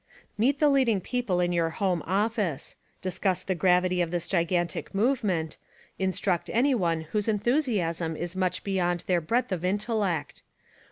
Meet the leading people in your hom_e office ; discuss the gravity of this gigantic movement; instruct anyone whose enthusiasm is much beyond their breadth of intellect.